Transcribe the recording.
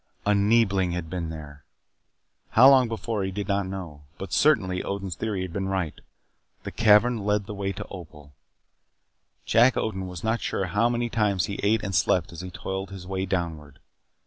A Neebling had been there. How long before he did not know. But, certainly, Odin's theory had been right. The cavern led the way to Opal. Jack Odin was not sure how many times he ate and slept as he toiled his way downward.